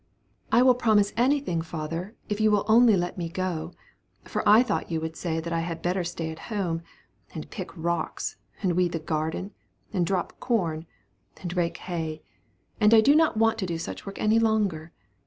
"I will promise anything, father, if you will only let me go; for I thought you would say that I had better stay at home, and pick rocks, and weed the garden, and drop corn, and rake hay; and I do not want to do such work any longer.